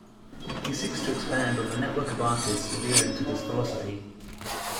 He seeks to expand on the network of artists adhering to this philosophy.